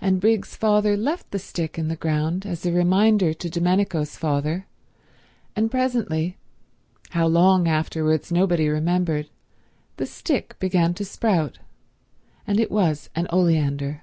And Briggs's father left the stick in the ground as a reminder to Domenico's father, and presently—how long afterwards nobody remembered—the stick began to sprout, and it was an oleander.